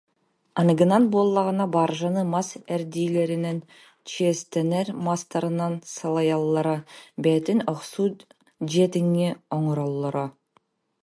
Аныгынан буоллаҕына, баржаны мас эрдиилэринэн, чиэстэнэр мастарынан салайаллара, бэйэтин охсуу дьиэтиҥи оҥороллоро